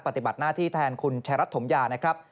ปฏิบัติหน้าที่แทนคุณไทยรัฐธมยา